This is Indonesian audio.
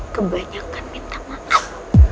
kebanyakan minta maaf